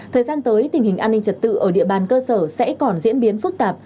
thời gian tới tình hình an ninh trật tự ở địa bàn cơ sở sẽ còn diễn biến phức tạp